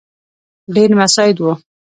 ډېر مساعد وو.